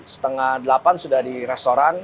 setengah delapan sudah di restoran